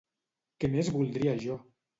Què més voldria jo!